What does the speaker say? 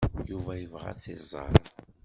Yuba yebɣa ad tt-iẓer.